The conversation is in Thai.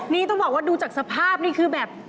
นี่ต้องบอกว่าดูจากสภาพนี่คือแบบ